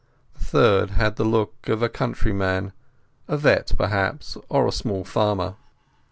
The third had the look of a countryman—a vet, perhaps, or a small farmer.